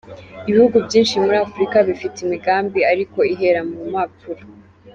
Ibihugu byinshi muri Afurika bifite imigambi ariko ihera mu mpapuro.